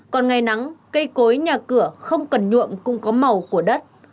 còn ngày nắng cây cối nhà cửa không cần nhuộm cũng có màu của đất